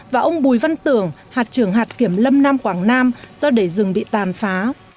và ông bùi văn tưởng hạt trưởng hạt kiểm lâm nam quảng nam do để rừng bị tàn phá